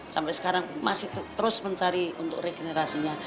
sampai sekarang masih terus mencari untuk regenerasinya